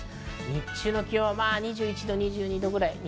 日中の気温は２１２２度くらい。